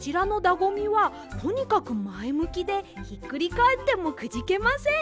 ごみはとにかくまえむきでひっくりかえってもくじけません。